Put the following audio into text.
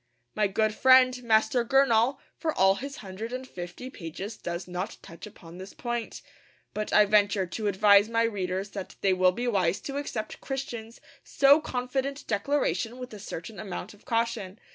My good friend, Master Gurnall, for all his hundred and fifty pages does not touch upon this point; but I venture to advise my readers that they will be wise to accept Christian's so confident declaration with a certain amount of caution.